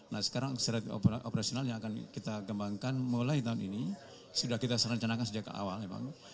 nah sekarang surat operasional yang akan kita kembangkan mulai tahun ini sudah kita serencanakan sejak awal memang